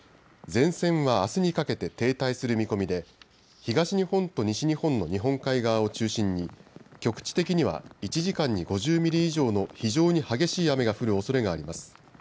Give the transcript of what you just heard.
前線は、あすにかけて停滞する見込みで東日本と西日本の日本海側を中心に局地的には１時間に５０ミリ以上の非常に激しい雨が降るおそれがあります。